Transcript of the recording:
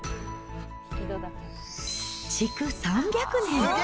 築３００年。